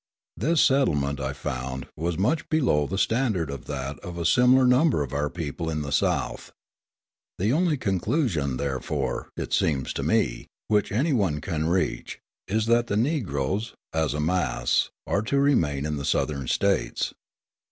This settlement, I found, was much below the standard of that of a similar number of our people in the South. The only conclusion, therefore, it seems to me, which any one can reach, is that the Negroes, as a mass, are to remain in the Southern States.